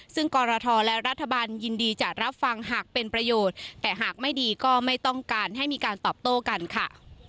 ซึ่งกรทและรัฐบาลยินดีจะรับฟังหากเป็นประโยชน์แต่หากไม่ดีก็ไม่ต้องการให้มีการตอบโต้กันค่ะ